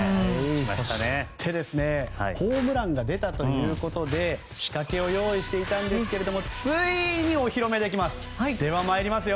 そして、ホームランが出たということで仕掛けを用意していたんですけれどもついにお披露目できます。